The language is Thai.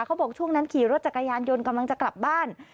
เขาบอกช่วงนั้นขี่รถจักรยานยนต์กำลังจะกลับบ้าน